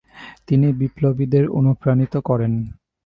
তিনি বিপ্লবীদের অনুপ্রাণিত করেন।